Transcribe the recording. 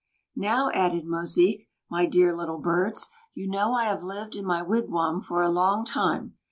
"Now," added Mosique, "my dear Little Birds, you know I have lived in my wigwam for a long time.